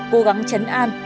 cố gắng chấn an